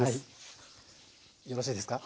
よろしいですか？